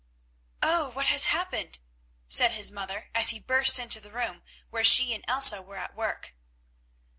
"Oh! what has happened?" said his mother as he burst into the room where she and Elsa were at work.